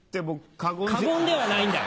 過言ではないんだよ。